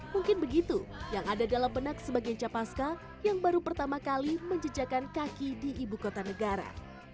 mungkin begitu yang ada dalam benak sebagian capaska yang baru pertama kali menjejakan kaki di ibu kota negara